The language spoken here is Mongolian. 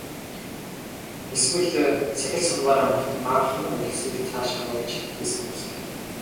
Эсвэл сахил санваараа мартан баахан улсыг цааш харуулж хийсэн хувьсгал уу?